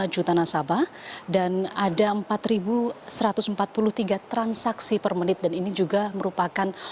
dua puluh juta nasabah dan ada empat ribu satu ratus empat puluh tiga transaksi per menit dan ini juga merupakan